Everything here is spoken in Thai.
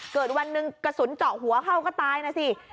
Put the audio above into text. วันหนึ่งกระสุนเจาะหัวเข้าก็ตายนะสิ